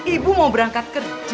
ibu jangan pergi